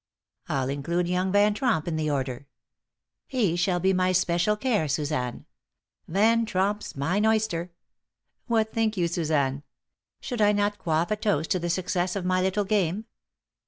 I'll include young Van Tromp in the order. He shall be my special care, Suzanne. Van Tromp's mine oyster! What think you, Suzanne? Should I not quaff a toast to the success of my little game?"